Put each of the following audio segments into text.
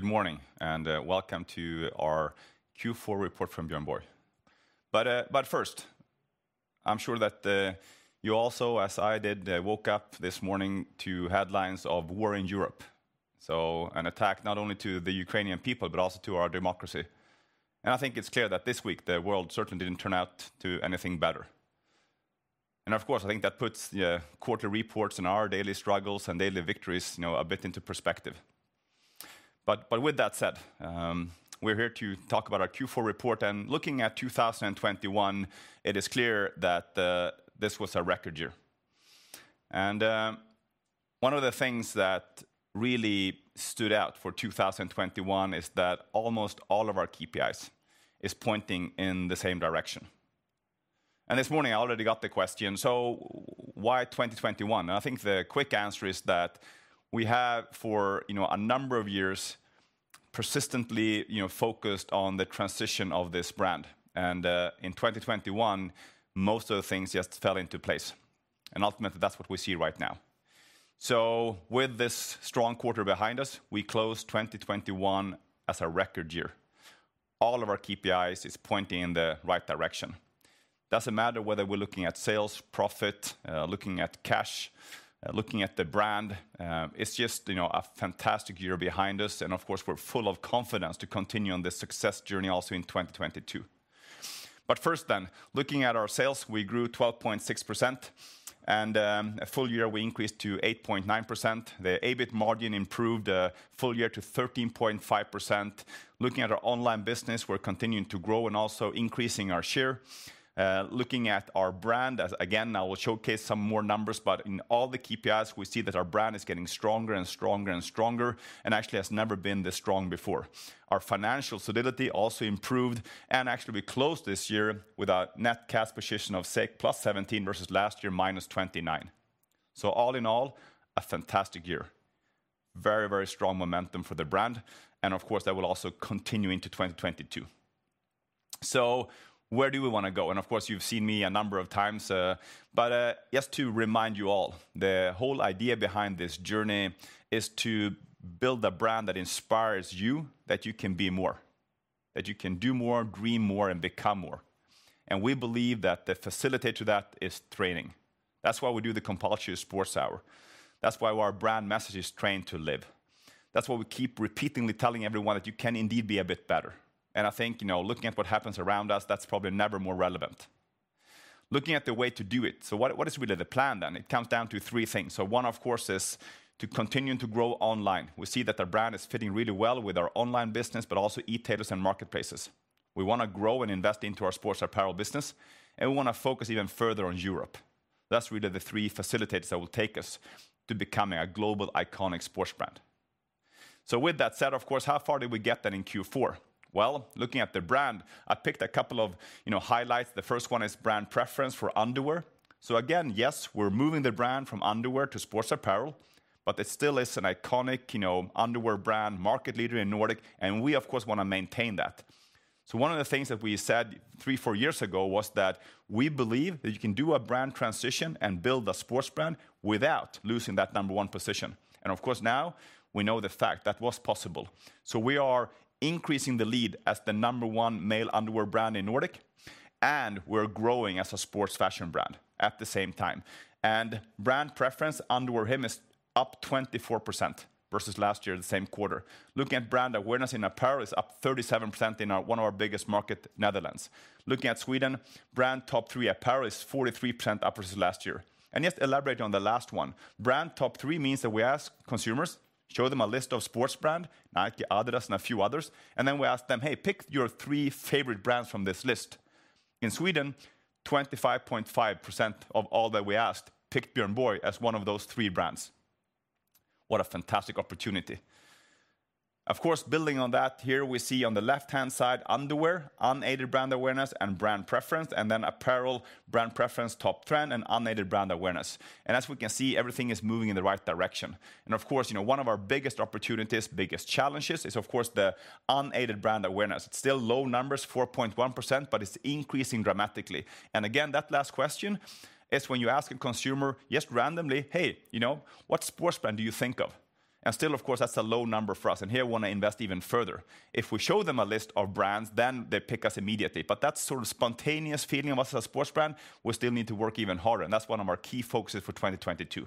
Good morning, and welcome to our Q4 Report from Björn Borg. But first, I'm sure that you also, as I did, woke up this morning to headlines of war in Europe. So, an attack not only to the Ukrainian people, but also to our democracy. And I think it's clear that this week the world certainly didn't turn out to anything better. And of course, I think that puts quarterly reports and our daily struggles and daily victories, you know, a bit into perspective. But with that said, we're here to talk about our Q4 report. And looking at 2021, it is clear that this was a record year. And one of the things that really stood out for 2021 is that almost all of our KPIs are pointing in the same direction. And this morning I already got the question: So, why 2021? I think the quick answer is that we have, for a number of years, persistently focused on the transition of this brand. In 2021, most of the things just fell into place. Ultimately, that's what we see right now. With this strong quarter behind us, we closed 2021 as a record year. All of our KPIs are pointing in the right direction. It doesn't matter whether we're looking at sales, profit, looking at cash, looking at the brand. It's just a fantastic year behind us. Of course, we're full of confidence to continue on this success journey also in 2022. First then, looking at our sales, we grew 12.6%. And a full year we increased to 8.9%. The EBIT margin improved a full year to 13.5%. Looking at our online business, we're continuing to grow and also increasing our share. Looking at our brand, again, I will showcase some more numbers. But in all the KPIs, we see that our brand is getting stronger and stronger and stronger, and actually has never been this strong before. Our financial solidity also improved. And actually, we closed this year with a net cash position of +17 versus last year -29. So, all in all, a fantastic year. Very, very strong momentum for the brand. And of course, that will also continue into 2022. So, where do we want to go? And of course, you've seen me a number of times. But just to remind you all, the whole idea behind this journey is to build a brand that inspires you, that you can be more, that you can do more, dream more, and become more. And we believe that the facilitator to that is training. That's why we do the compulsory Sports Hour. That's why our brand message is Train to Live. That's why we keep repeatedly telling everyone that you can indeed be a bit better. And I think, you know, looking at what happens around us, that's probably never more relevant. Looking at the way to do it. So, what is really the plan then? It comes down to three things. So, one, of course, is to continue to grow online. We see that our brand is fitting really well with our online business, but also e-tailers and marketplaces. We want to grow and invest into our sports apparel business. And we want to focus even further on Europe. That's really the three facilitators that will take us to becoming a global iconic sports brand. So, with that said, of course, how far did we get then in Q4? Looking at the brand, I picked a couple of highlights. The first one is brand preference for underwear. So, again, yes, we're moving the brand from underwear to sports apparel. But it still is an iconic underwear brand, market leader in Nordic. And we, of course, want to maintain that. So, one of the things that we said three, four years ago was that we believe that you can do a brand transition and build a sports brand without losing that number one position. And of course, now we know the fact that was possible. So, we are increasing the lead as the number one male underwear brand in Nordic. And we're growing as a sports fashion brand at the same time. And brand preference underwear Him is up 24% versus last year, the same quarter. Looking at brand awareness in apparel is up 37% in one of our biggest markets, Netherlands. Looking at Sweden, brand top three apparel is 43% up versus last year, and just elaborating on the last one, brand top three means that we ask consumers, show them a list of sports brands, Nike, Adidas, and a few others. And then we ask them, hey, pick your three favorite brands from this list. In Sweden, 25.5% of all that we asked picked Björn Borg as one of those three brands. What a fantastic opportunity. Of course, building on that here, we see on the left-hand side, underwear, unaided brand awareness, and brand preference, and then apparel, brand preference, top trend, and unaided brand awareness, and as we can see, everything is moving in the right direction. Of course, you know, one of our biggest opportunities, biggest challenges is, of course, the unaided brand awareness. It's still low numbers, 4.1%, but it's increasing dramatically. And again, that last question is when you ask a consumer, just randomly, hey, you know, what sports brand do you think of? And still, of course, that's a low number for us. And here, we want to invest even further. If we show them a list of brands, then they pick us immediately. But that sort of spontaneous feeling of us as a sports brand, we still need to work even harder. And that's one of our key focuses for 2022.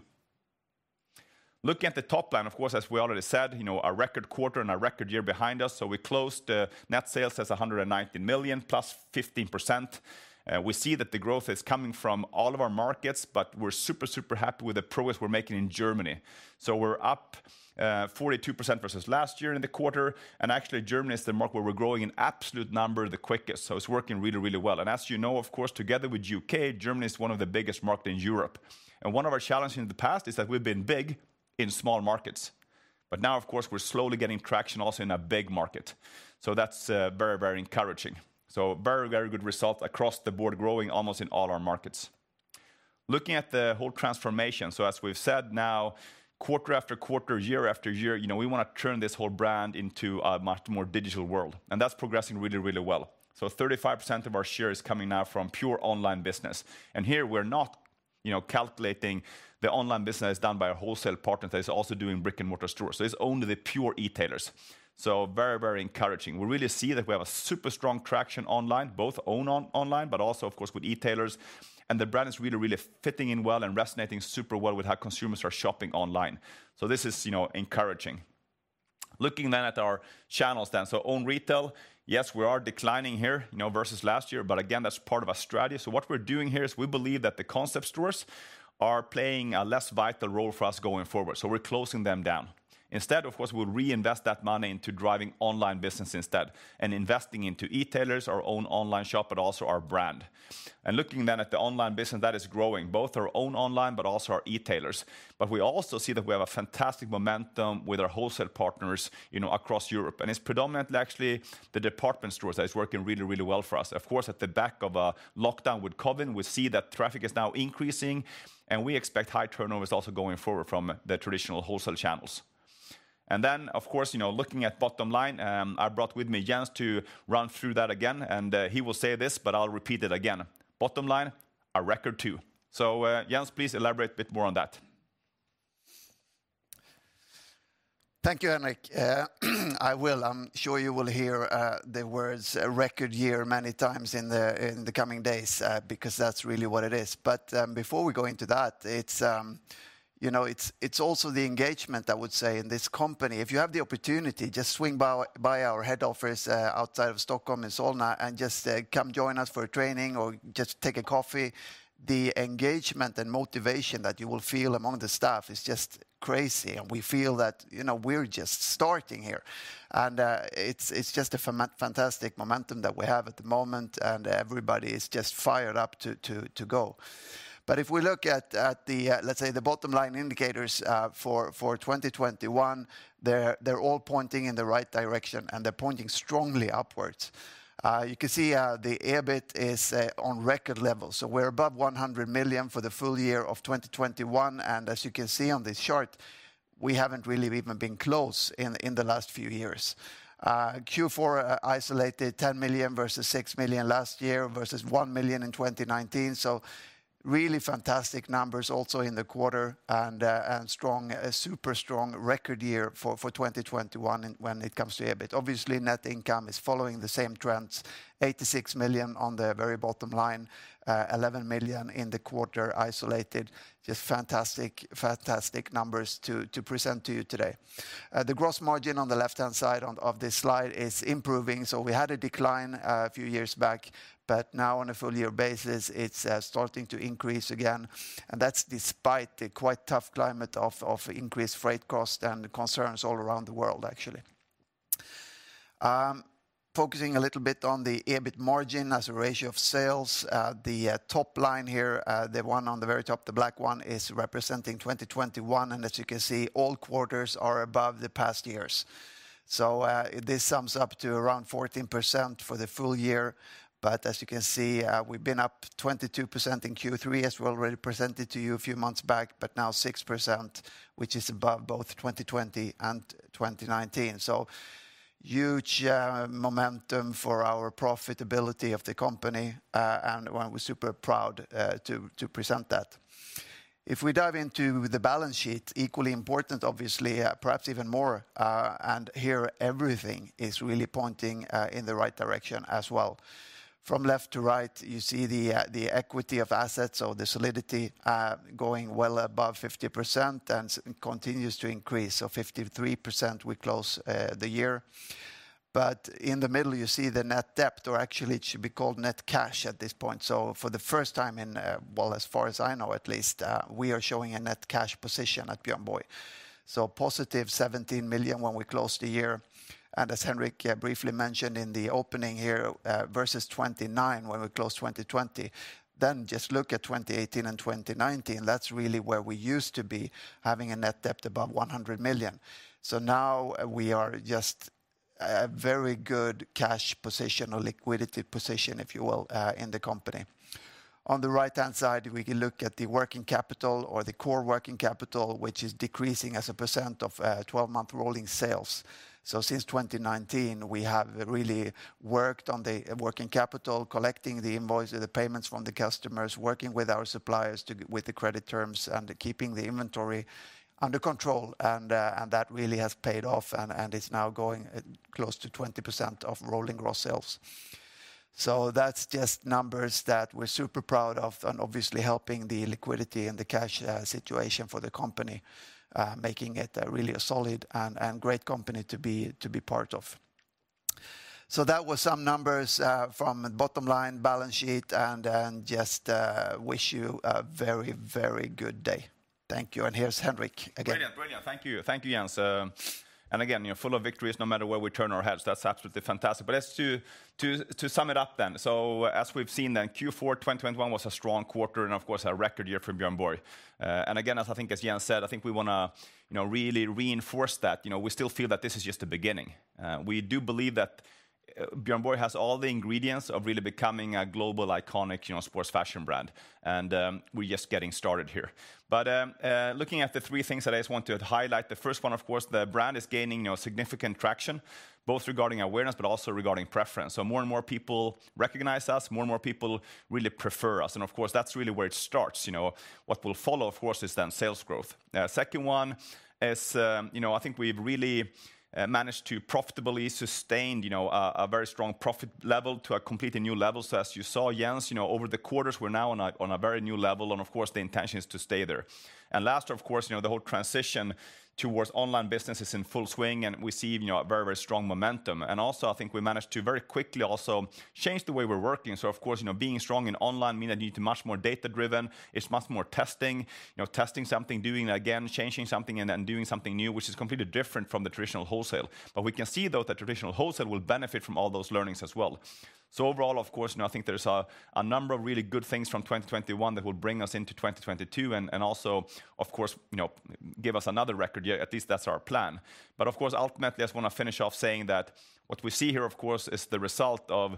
Looking at the top line, of course, as we already said, you know, our record quarter and our record year behind us. So, we closed net sales at 190 million, plus 15%. We see that the growth is coming from all of our markets, but we're super, super happy with the progress we're making in Germany. So, we're up 42% versus last year in the quarter. And actually, Germany is the market where we're growing in absolute number the quickest. So, it's working really, really well. And as you know, of course, together with the UK, Germany is one of the biggest markets in Europe. And one of our challenges in the past is that we've been big in small markets. But now, of course, we're slowly getting traction also in a big market. So, that's very, very encouraging. So, very, very good result across the board, growing almost in all our markets. Looking at the whole transformation. As we've said now, quarter after quarter, year after year, you know, we want to turn this whole brand into a much more digital world. And that's progressing really, really well. So, 35% of our share is coming now from pure online business. And here, we're not calculating the online business that is done by a wholesale partner that is also doing brick-and-mortar stores. So, it's only the pure e-tailers. So, very, very encouraging. We really see that we have a super strong traction online, both own online, but also, of course, with e-tailers. And the brand is really, really fitting in well and resonating super well with how consumers are shopping online. So, this is encouraging. Looking then at our channels then. So, own retail, yes, we are declining here versus last year. But again, that's part of our strategy. So, what we're doing here is we believe that the concept stores are playing a less vital role for us going forward. So, we're closing them down. Instead, of course, we'll reinvest that money into driving online business instead and investing into e-tailers, our own online shop, but also our brand. And looking then at the online business that is growing, both our own online, but also our e-tailers. But we also see that we have a fantastic momentum with our wholesale partners across Europe. And it's predominantly actually the department stores that are working really, really well for us. Of course, at the back of a lockdown with COVID, we see that traffic is now increasing. And we expect high turnovers also going forward from the traditional wholesale channels. And then, of course, looking at bottom line, I brought with me Jens to run through that again. And he will say this, but I'll repeat it again. Bottom line, a record too. So, Jens, please elaborate a bit more on that. Thank you, Henrik. I will, I'm sure you will hear the words "record year" many times in the coming days because that's really what it is, but before we go into that, it's also the engagement, I would say, in this company. If you have the opportunity, just swing by our head office outside of Stockholm in Solna and just come join us for training or just take a coffee. The engagement and motivation that you will feel among the staff is just crazy, and we feel that we're just starting here, and it's just a fantastic momentum that we have at the moment, and everybody is just fired up to go, but if we look at the, let's say, the bottom line indicators for 2021, they're all pointing in the right direction, and they're pointing strongly upwards. You can see the EBIT is on record levels. We're above 100 million for the full year of 2021. And as you can see on this chart, we haven't really even been close in the last few years. Q4 isolated 10 million versus 6 million last year versus 1 million in 2019. Really fantastic numbers also in the quarter and a super strong record year for 2021 when it comes to EBIT. Obviously, net income is following the same trends. 86 million on the very bottom line, 11 million in the quarter isolated. Just fantastic, fantastic numbers to present to you today. The gross margin on the left-hand side of this slide is improving. We had a decline a few years back. But now, on a full year basis, it's starting to increase again. And that's despite the quite tough climate of increased freight costs and concerns all around the world, actually. Focusing a little bit on the EBIT margin as a ratio of sales. The top line here, the one on the very top, the black one is representing 2021. And as you can see, all quarters are above the past years. So, this sums up to around 14% for the full year. But as you can see, we've been up 22% in Q3, as we already presented to you a few months back, but now 6%, which is above both 2020 and 2019. So, huge momentum for our profitability of the company. And we're super proud to present that. If we dive into the balance sheet, equally important, obviously, perhaps even more. And here, everything is really pointing in the right direction as well. From left to right, you see the equity to assets or the solidity going well above 50% and continues to increase. So, 53% we close the year. But in the middle, you see the net debt or actually it should be called net cash at this point. So, for the first time in, well, as far as I know at least, we are showing a net cash position at Björn Borg. So, positive 17 million when we closed the year. And as Henrik briefly mentioned in the opening here, versus 29 when we closed 2020. Then just look at 2018 and 2019. That's really where we used to be having a net debt above 100 million. So now we are just a very good cash position or liquidity position, if you will, in the company. On the right-hand side, we can look at the working capital or the core working capital, which is decreasing as a % of 12-month rolling sales. Since 2019, we have really worked on the working capital, collecting the invoices, the payments from the customers, working with our suppliers with the credit terms and keeping the inventory under control. That really has paid off and is now going close to 20% of rolling gross sales. That's just numbers that we're super proud of and obviously helping the liquidity and the cash situation for the company, making it really a solid and great company to be part of. That was some numbers from the bottom line balance sheet. Just wish you a very, very good day. Thank you. Here's Henrik again. Brilliant, brilliant. Thank you, thank you, Jens. And again, you're full of victories no matter where we turn our heads. That's absolutely fantastic. But as to sum it up then, so as we've seen then, Q4 2021 was a strong quarter and of course a record year for Björn Borg. And again, as I think, as Jens said, I think we want to really reinforce that. We still feel that this is just the beginning. We do believe that Björn Borg has all the ingredients of really becoming a global iconic sports fashion brand. And we're just getting started here. But looking at the three things that I just want to highlight, the first one, of course, the brand is gaining significant traction, both regarding awareness, but also regarding preference. So more and more people recognize us, more and more people really prefer us. And of course, that's really where it starts. What will follow, of course, is then sales growth. Second one is, I think we've really managed to profitably sustain a very strong profit level to a completely new level. So as you saw, Jens, over the quarters, we're now on a very new level. And of course, the intention is to stay there. And last, of course, the whole transition towards online business is in full swing. And we see a very, very strong momentum. And also, I think we managed to very quickly also change the way we're working. So of course, being strong in online means that you need to be much more data-driven. It's much more testing, testing something, doing it again, changing something and then doing something new, which is completely different from the traditional wholesale. But we can see though that traditional wholesale will benefit from all those learnings as well. So overall, of course, I think there's a number of really good things from 2021 that will bring us into 2022. And also, of course, give us another record year. At least that's our plan. But of course, ultimately, I just want to finish off saying that what we see here, of course, is the result of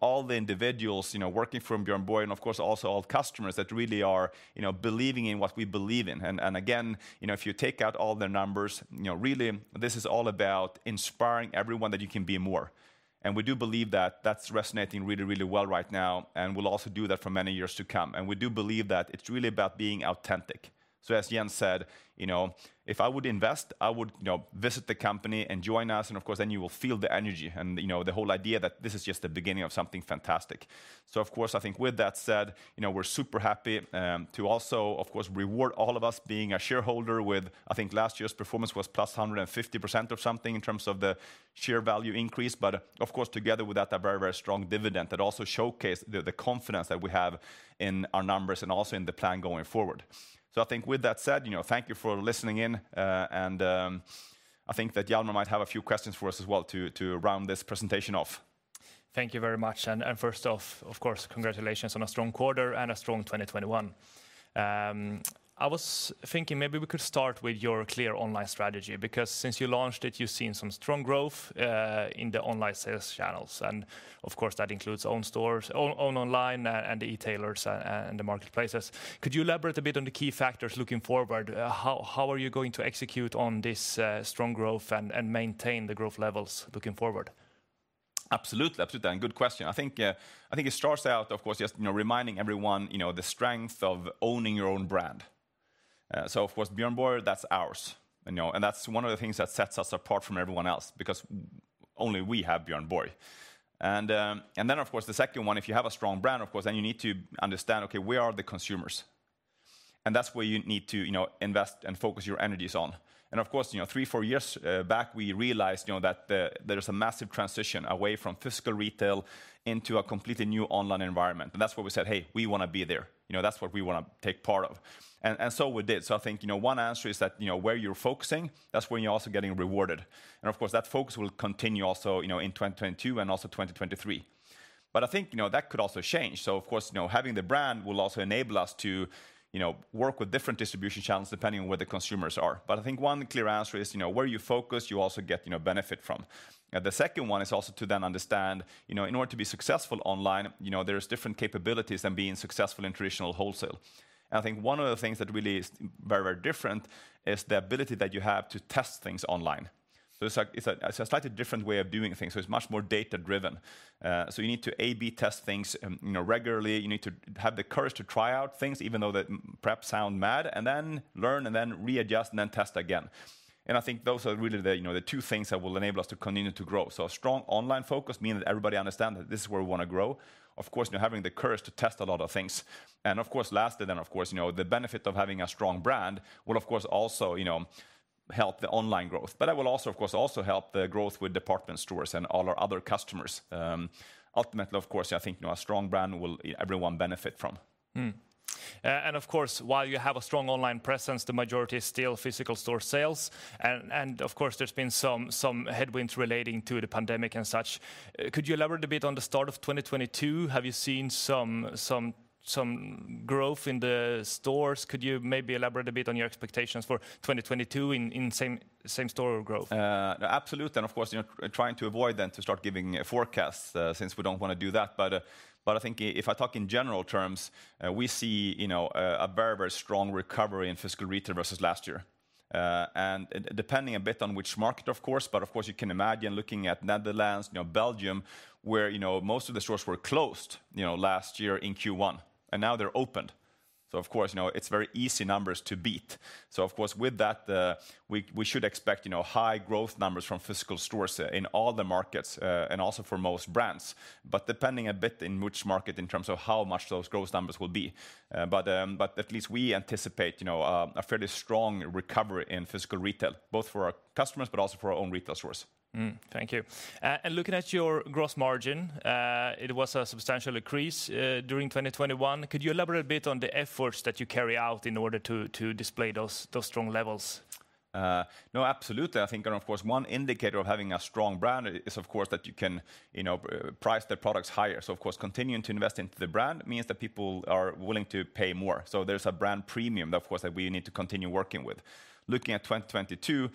all the individuals working from Björn Borg and of course also all customers that really are believing in what we believe in. And again, if you take out all the numbers, really this is all about inspiring everyone that you can be more. And we do believe that that's resonating really, really well right now. And we'll also do that for many years to come. And we do believe that it's really about being authentic. So as Jens said, if I would invest, I would visit the company and join us. And of course, then you will feel the energy and the whole idea that this is just the beginning of something fantastic. So of course, I think with that said, we're super happy to also, of course, reward all of us being a shareholder with, I think last year's performance was plus 150% or something in terms of the share value increase. But of course, together with that, a very, very strong dividend that also showcased the confidence that we have in our numbers and also in the plan going forward. So I think with that said, thank you for listening in. And I think that Jelmer might have a few questions for us as well to round this presentation off. Thank you very much. And first off, of course, congratulations on a strong quarter and a strong 2021. I was thinking maybe we could start with your clear online strategy because since you launched it, you've seen some strong growth in the online sales channels. And of course, that includes own stores, own online and the e-tailers and the marketplaces. Could you elaborate a bit on the key factors looking forward? How are you going to execute on this strong growth and maintain the growth levels looking forward? Absolutely, absolutely. And good question. I think it starts out, of course, just reminding everyone the strength of owning your own brand. So of course, Björn Borg, that's ours. And that's one of the things that sets us apart from everyone else because only we have Björn Borg. And then, of course, the second one, if you have a strong brand, of course, then you need to understand, okay, where are the consumers? And that's where you need to invest and focus your energies on. And of course, three, four years back, we realized that there's a massive transition away from physical retail into a completely new online environment. And that's where we said, hey, we want to be there. That's what we want to take part of. And so we did. So I think one answer is that where you're focusing, that's where you're also getting rewarded. Of course, that focus will continue also in 2022 and also 2023. I think that could also change. Of course, having the brand will also enable us to work with different distribution channels depending on where the consumers are. I think one clear answer is where you focus, you also get benefit from. The second one is also to then understand in order to be successful online, there are different capabilities than being successful in traditional wholesale. I think one of the things that really is very, very different is the ability that you have to test things online. It's a slightly different way of doing things. It's much more data-driven. You need to A/B test things regularly. You need to have the courage to try out things, even though that perhaps sounds mad, and then learn and then readjust and then test again. And I think those are really the two things that will enable us to continue to grow. So a strong online focus means that everybody understands that this is where we want to grow. Of course, having the courage to test a lot of things. And of course, lastly, then of course, the benefit of having a strong brand will of course also help the online growth. But that will also, of course, also help the growth with department stores and all our other customers. Ultimately, of course, I think a strong brand will everyone benefit from. Of course, while you have a strong online presence, the majority is still physical store sales. Of course, there's been some headwinds relating to the pandemic and such. Could you elaborate a bit on the start of 2022? Have you seen some growth in the stores? Could you maybe elaborate a bit on your expectations for 2022 in same store growth? Absolutely, and of course, trying to avoid then to start giving forecasts since we don't want to do that, but I think if I talk in general terms, we see a very, very strong recovery in physical retail versus last year, and depending a bit on which market, of course, but of course, you can imagine looking at Netherlands, Belgium, where most of the stores were closed last year in Q1, and now they're open, so of course, it's very easy numbers to beat, so of course, with that, we should expect high growth numbers from physical stores in all the markets and also for most brands, but depending a bit in which market in terms of how much those growth numbers will be, but at least we anticipate a fairly strong recovery in physical retail, both for our customers, but also for our own retail stores. Thank you. And looking at your gross margin, it was a substantial increase during 2021. Could you elaborate a bit on the efforts that you carry out in order to display those strong levels? No, absolutely. I think, of course, one indicator of having a strong brand is, of course, that you can price the products higher. So of course, continuing to invest into the brand means that people are willing to pay more. So there's a brand premium, of course, that we need to continue working with. Looking at 2022,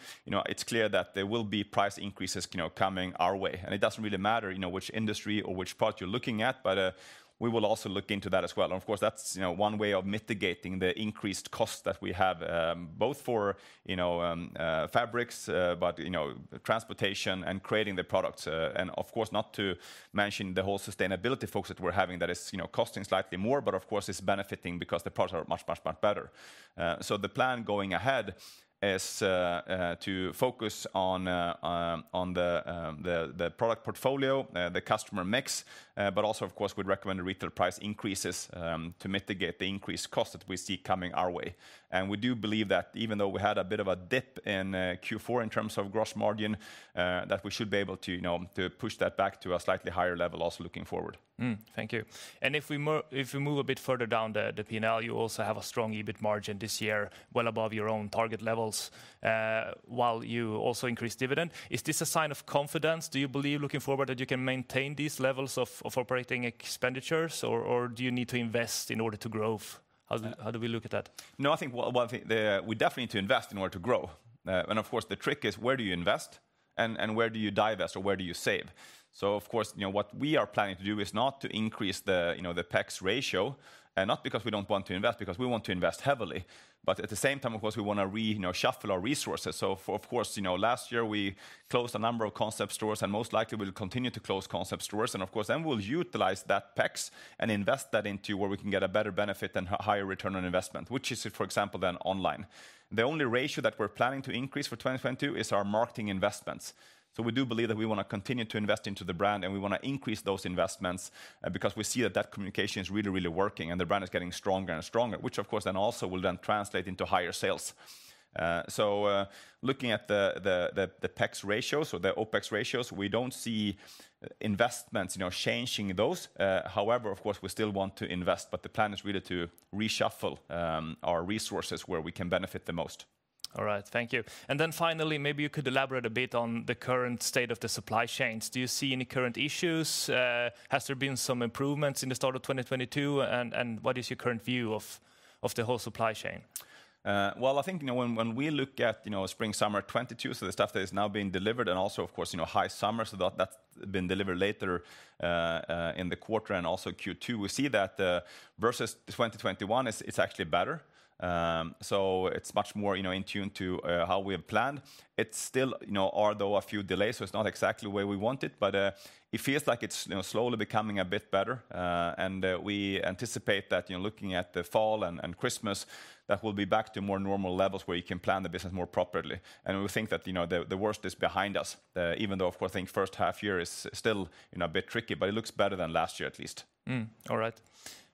it's clear that there will be price increases coming our way, and it doesn't really matter which industry or which part you're looking at, but we will also look into that as well, and of course, that's one way of mitigating the increased costs that we have, both for fabrics, but transportation and creating the products, and of course, not to mention the whole sustainability focus that we're having that is costing slightly more, but of course, it's benefiting because the products are much, much, much better. So the plan going ahead is to focus on the product portfolio, the customer mix, but also, of course, we'd recommend retail price increases to mitigate the increased costs that we see coming our way. And we do believe that even though we had a bit of a dip in Q4 in terms of gross margin, that we should be able to push that back to a slightly higher level also looking forward. Thank you, and if we move a bit further down the P&L, you also have a strong EBIT margin this year, well above your own target levels, while you also increased dividend. Is this a sign of confidence? Do you believe looking forward that you can maintain these levels of operating expenditures, or do you need to invest in order to grow? How do we look at that? No, I think we definitely need to invest in order to grow. And of course, the trick is where do you invest and where do you divest or where do you save? So of course, what we are planning to do is not to increase the OPEX ratio, not because we don't want to invest, because we want to invest heavily. But at the same time, of course, we want to reshuffle our resources. So of course, last year we closed a number of concept stores and most likely we'll continue to close concept stores. And of course, then we'll utilize that OPEX and invest that into where we can get a better benefit and higher return on investment, which is, for example, then online. The only ratio that we're planning to increase for 2022 is our marketing investments. So we do believe that we want to continue to invest into the brand and we want to increase those investments because we see that that communication is really, really working and the brand is getting stronger and stronger, which of course then also will then translate into higher sales. So looking at the OPEX ratios, or the OPEX ratios, we don't see investments changing those. However, of course, we still want to invest, but the plan is really to reshuffle our resources where we can benefit the most. All right, thank you. And then finally, maybe you could elaborate a bit on the current state of the supply chains. Do you see any current issues? Has there been some improvements in the start of 2022? And what is your current view of the whole supply chain? I think when we look at Spring/Summer 2022, so the stuff that is now being delivered and also, of course, High Summer, that's been delivered later in the quarter and also Q2, we see that versus 2021, it's actually better. So it's much more in tune to how we have planned. It's still, although a few delays, so it's not exactly where we want it, but it feels like it's slowly becoming a bit better. We anticipate that looking at the fall and Christmas, that we'll be back to more normal levels where you can plan the business more properly. We think that the worst is behind us, even though, of course, I think first half year is still a bit tricky, but it looks better than last year at least. All right.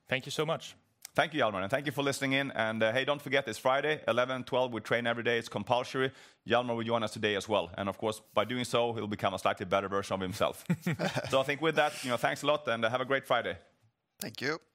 Thank you so much. Thank you, Jelmer, and thank you for listening in, and hey, don't forget this Friday, 11 to 12, we train every day. It's compulsory. Jelmer, would you join us today as well, and of course, by doing so, he'll become a slightly better version of himself, so I think with that, thanks a lot and have a great Friday. Thank you.